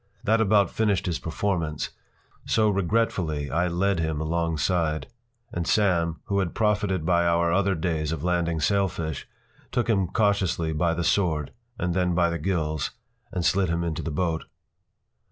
That about finished his performance, so regretfully I led him alongside; and Sam, who had profited by our other days of landing sailfish, took him cautiously by the sword, and then by the gills, and slid him into the boat.